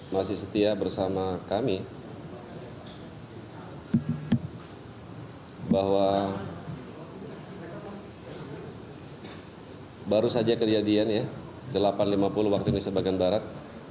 masih setia bersama kami bahwa baru saja kejadian ya delapan lima puluh waktu indonesia bagian barat